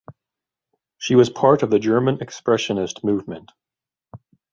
She was part of the German Expressionist movement.